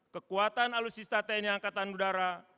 kekuatan alutsista tni angkatan udara